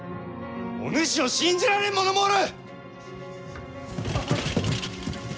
お主を信じられん者もおる！